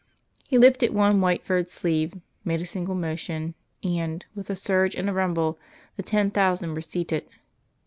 He lifted one white furred sleeve, made a single motion, and with a surge and a rumble, the ten thousand were seated.